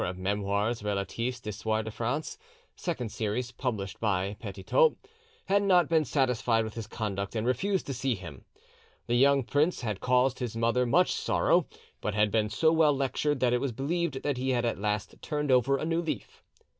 of 'Memoires Relatifs d'Histoire de France', Second Series, published by Petitot), "had not been satisfied with his conduct and refused to see him. The young prince had caused his mother much sorrow, but had been so well lectured that it was believed that he had at last turned over a new leaf."